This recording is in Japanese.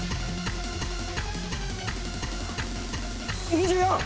２４！